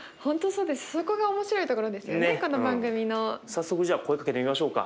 早速じゃあ声かけてみましょうか。